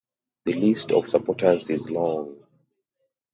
The list of supporters is long.